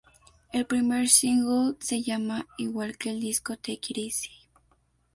El primer single se llama igual que el disco, "Take It Easy".